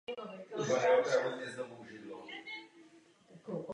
Díky své poloze to byla nejsevernější farma v Grónsku vůbec.